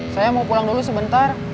saya mau pulang dulu sebentar